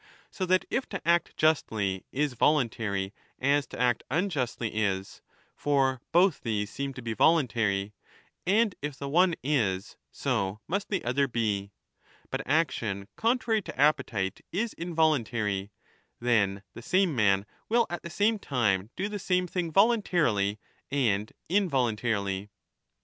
So that if to act justly is voluntary 15 as to act unjustly is — for both these seem to be voluntary, and if the one is, so must the other be — but action contrary to appetite is involuntary, then the same man will at the same time do the same thing voluntarily and involuntarily.